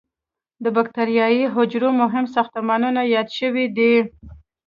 د بکټریايي حجرو مهم ساختمانونه یاد شوي دي.